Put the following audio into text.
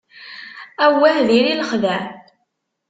Awah, diri lexdeɛ.